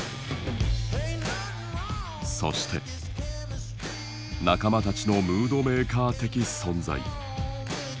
そして仲間たちのムードメーカー的存在。